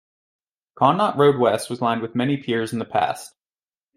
Connaught Road West was lined with many piers in the past.